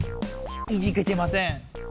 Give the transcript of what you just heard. イジけてません。